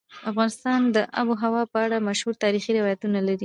افغانستان د آب وهوا په اړه مشهور تاریخي روایتونه لري.